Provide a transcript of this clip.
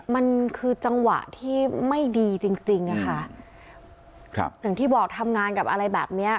มันคือจังหวะที่ไม่ดีจริงค่ะถึงที่บอกทำงานกับอะไรแบบนี้